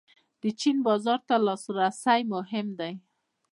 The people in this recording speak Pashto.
د چین بازار ته لاسرسی مهم دی